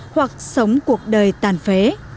hoặc sống cuộc đời tàn phế